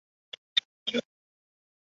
抚仙粘体虫为粘体科粘体虫属的动物。